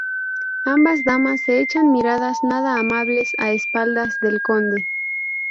Ambas damas se echan miradas nada amables a espaldas del conde.